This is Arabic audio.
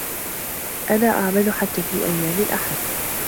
انا اعمل حتى في أيام الأحد.